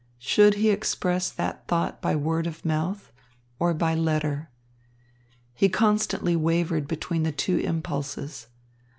Should he express that thought by word of mouth or by letter? He constantly wavered between the two impulses.